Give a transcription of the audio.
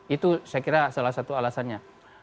itu saya kira salah satu alasannya